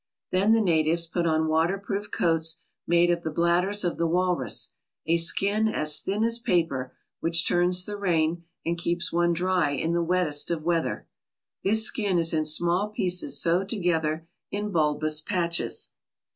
Then the natives put on waterproof coats made of the bladders of the walrus, a skin as thin as paper, which turns the rain and keeps one dry in the wettest of weather. This skin is in small pieces sewed together in bulbous patches.